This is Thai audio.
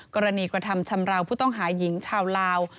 กระทำชำราวผู้ต้องหาหญิงชาวลาว